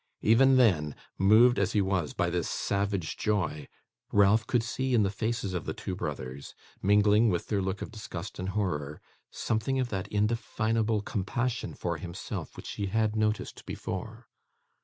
Even then, moved as he was by this savage joy, Ralph could see in the faces of the two brothers, mingling with their look of disgust and horror, something of that indefinable compassion for himself which he had noticed before.